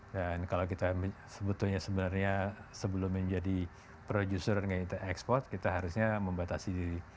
dan kalau kita sebetulnya sebelum menjadi produser dan ekspor kita harusnya membatasi diri